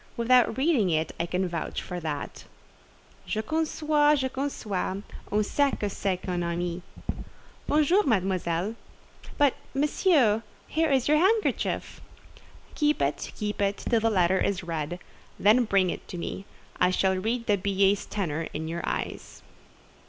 Without reading it, I can vouch for that." "Je conçois, je conçois: on sait ce que c'est qu'un ami. Bonjour, Mademoiselle!" "But, Monsieur, here is your handkerchief." "Keep it, keep it, till the letter is read, then bring it me; I shall read the billet's tenor in your eyes."